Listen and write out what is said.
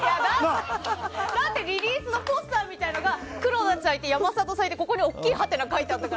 だってリリースのポスターみたいなのが黒田ちゃんがいて山里さんがいて大きいはてなが書いてあったから。